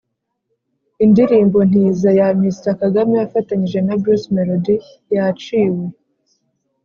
Indirimbo ntiza ya mr kagame afatanyije na bruce melody yaciwe